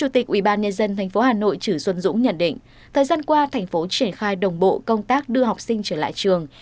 tp hà nội chữ xuân dũng nhận định thời gian qua thành phố triển khai đồng bộ công tác đưa học sinh trở lại trường